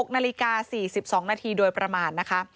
๖นาฬิกา๔๒นาทีโดยประมาณนะคะ